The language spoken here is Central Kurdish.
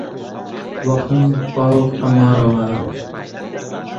وە قنگ باوک عومەرەوە!